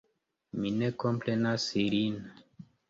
Mi ne komprenas ilin.